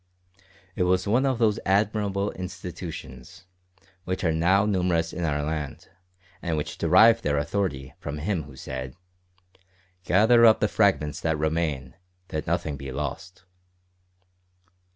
It was one of those admirable institutions, which are now numerous in our land, and which derive their authority from Him who said, "Gather up the fragments that remain, that nothing be lost."